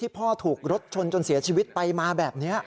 พ่อถูกรถชนจนเสียชีวิตไปมาแบบนี้